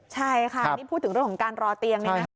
ใช่ค่ะพูดถึงเรื่องของการรอเตียง